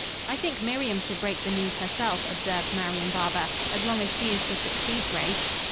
"I think Miriam should break the news herself," observed Marian Barber, "as long as she is to succeed Grace."